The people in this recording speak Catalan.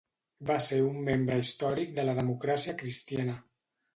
Va ser un membre històric de la Democràcia Cristiana.